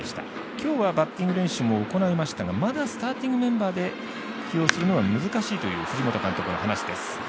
今日はバッティング練習も行いましたがまだスターティングメンバーで起用するのは難しいという藤本監督の話です。